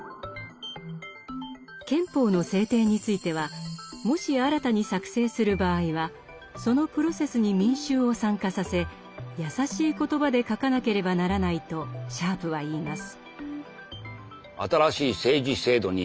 憲法の制定についてはもし新たに作成する場合はそのプロセスに民衆を参加させ易しい言葉で書かなければならないとシャープは言います。